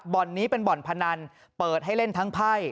นี้เป็นบ่อนพนันเปิดให้เล่นทั้งไพ่